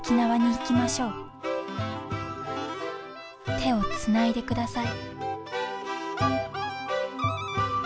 「てをつないでください」。